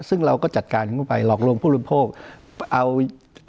ซึ่งเราก็จัดการเข้าไปหลอกลวงผู้ลุ่มโพธิ์